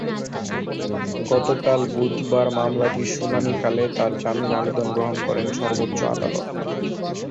গতকাল বুধবার মামলাটির শুনানিকালে তাঁর জামিন আবেদন গ্রহণ করেন সর্বোচ্চ আদালত।